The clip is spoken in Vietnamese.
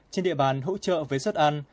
trên địa bàn hỗ trợ với xuất ăn